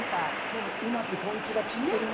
そう「うまくとんちが利いてるな」とか。